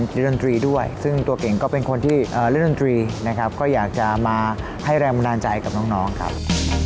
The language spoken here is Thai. ก็คิดถึงตัวเองตอนเด็กใกล้นะครับ